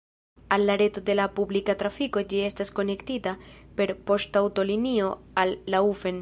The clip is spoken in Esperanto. Al la reto de la publika trafiko ĝi estas konektita per poŝtaŭtolinio al Laufen.